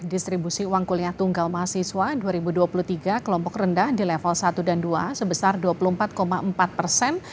distribusi uang kuliah tunggal mahasiswa dua ribu dua puluh tiga kelompok rendah di level satu dan dua sebesar dua puluh empat empat persen